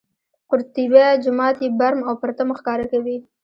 قورطیبه جومات یې برم او پرتم ښکاره کوي.